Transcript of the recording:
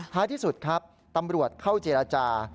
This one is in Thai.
ท้ายที่สุดครับตำรวจเข้าเจรจา